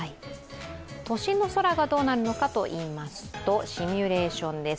都心の空がどうなるのかといいますと、シミュレーションです。